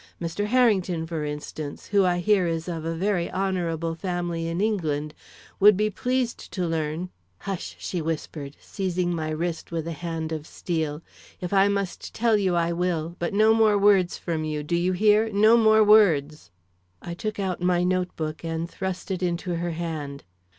Mr. Harrington, for instance, who I hear is of a very honorable family in England, would be pleased to learn " "Hush!" she whispered, seizing my wrist with a hand of steel. "If I must tell you I will, but no more words from you, do you hear, no more words." I took out my note book and thrust it into her hand.